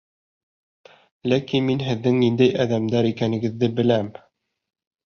Ләкин мин һеҙҙең ниндәй әҙәмдәр икәнегеҙҙе беләм.